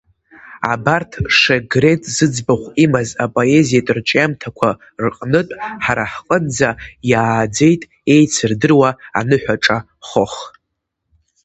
Абарҭ Шегрен зыӡбахә имаз апоезиатә рҿиамҭақәа рҟнытә ҳара ҳҟынӡа иааӡеит еицырдыруа Аныҳәаҿа Хох…